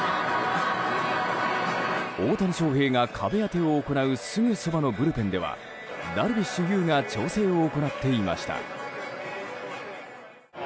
大谷翔平が壁当てを行うすぐそばのブルペンではダルビッシュ有が調整を行っていました。